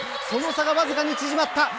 その差がわずかに縮まった。